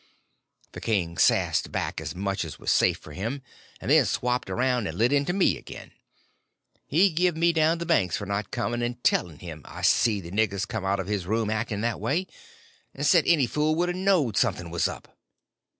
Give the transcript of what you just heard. The king sassed back as much as was safe for him, and then swapped around and lit into me again. He give me down the banks for not coming and telling him I see the niggers come out of his room acting that way—said any fool would a knowed something was up.